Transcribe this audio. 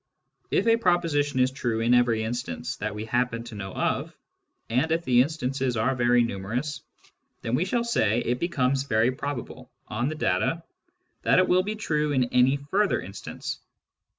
If a proposition is true in every instance that we happen to know of, and if the instances are very numerous, then, we shall say, it becomes very probable, on the data, that it will be true in any further instance.